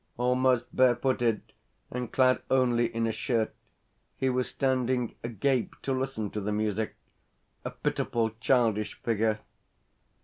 Almost barefooted, and clad only in a shirt, he was standing agape to listen to the music a pitiful childish figure.